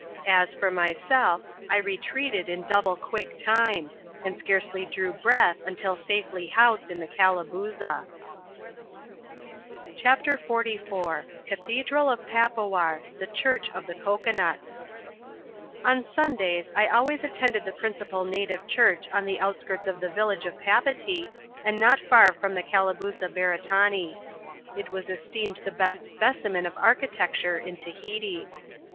As for myself, I retreated, in double quick time ; and scarcely drew breath, until safely housed in the Calabooza. CHAP, xuv.] THE CATHEDRAL OF PAPOAR. 167 CHAPTER XLIV. Cathedral of Papoar. The Church of the Cocoa nuts. On Sundays I always attended the principal native church on the outskirts of the village of Papeetee, and not far from the Calabooza Bereta, nee. It was esteemed the best specimen of architecture in Tahiti.